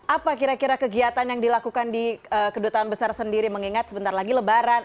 apa kira kira kegiatan yang dilakukan di kedutaan besar sendiri mengingat sebentar lagi lebaran